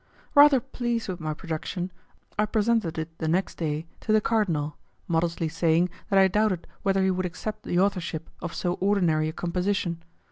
Rather pleased with my production, I presented it the next day to the cardinal, modestly saying that I doubted whether he would accept the authorship of so ordinary a composition.